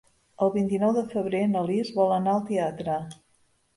El vint-i-nou de febrer na Lis vol anar al teatre.